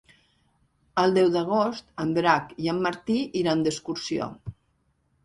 El deu d'agost en Drac i en Martí iran d'excursió.